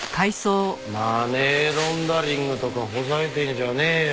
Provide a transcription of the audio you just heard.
マネーロンダリングとかほざいてんじゃねえよ。